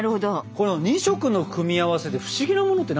この２色の組み合わせでフシギなものって何かあるっけ？